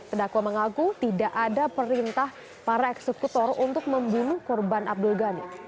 terdakwa mengaku tidak ada perintah para eksekutor untuk membunuh korban abdul ghani